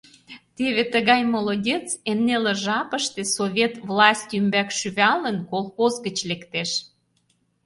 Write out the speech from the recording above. Теве тыгай молодец эн неле жапыште, Совет власть ӱмбак шӱвалын, колхоз гыч лектеш.